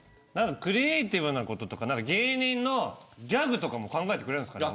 クリエイティブなこととか芸人のギャグとか考えてくれるんですか。